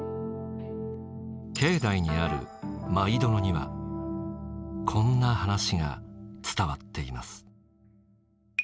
境内にある舞殿にはこんな話が伝わっています。